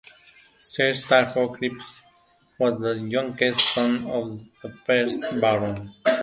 Sir Stafford Cripps was the youngest son of the first Baron.